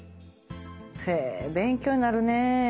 へぇ勉強になるねぇ。